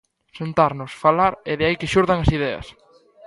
Sentarnos, falar e de aí que xurdan as ideas.